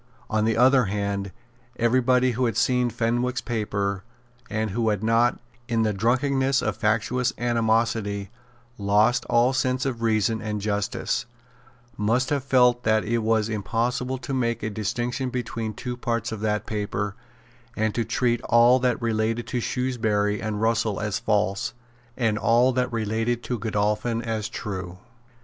On the other hand, every body who had seen Fenwick's paper, and who had not, in the drunkenness of factious animosity, lost all sense of reason and justice, must have felt that it was impossible to make a distinction between two parts of that paper, and to treat all that related to Shrewsbury and Russell as false, and all that related to Godolphin as true.